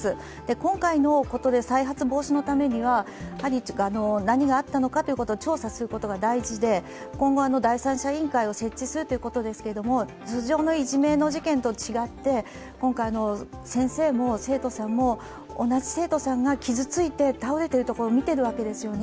今回のことで再発防止のためには何があったのかということを調査することが大事で今後、第三者委員会を設置するということですが、通常のいじめの事件と違って今回の先生も生徒さんも同じ生徒さんが傷ついて倒れているところを見ているんですよね。